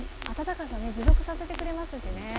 温かさね持続させてくれますしね。